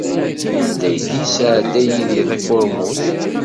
Anda ay d-yesɛedda Yidir takurmut?